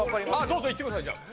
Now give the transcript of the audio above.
どうぞいってくださいじゃあ。